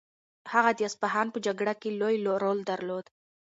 هغه د اصفهان په جګړه کې لوی رول درلود.